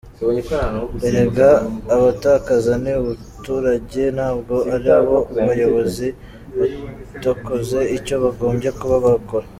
Erega abatakaza ni abaturage ntabwo ari abo bayobozi batakoze icyo bagombye kuba bakora.